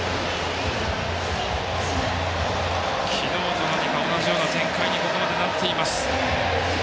昨日と何か同じような展開にここまでなっています。